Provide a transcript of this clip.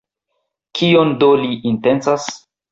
Kion do li intencas?